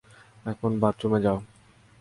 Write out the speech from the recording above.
এখন বাথরুমে যাও।